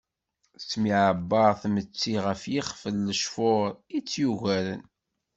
Tettemɛebbar d imeṭṭi ɣef yixef n lecfur itt-yugaren.